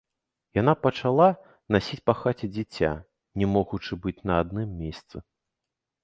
Яна пачала насіць па хаце дзіця, не могучы быць на адным месцы.